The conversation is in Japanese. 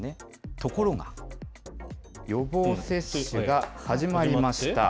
ところが、予防接種が始まりました。